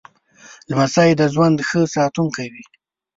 لمسی د ژوند ښه ساتونکی وي.